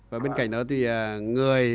và bên cạnh đó thì người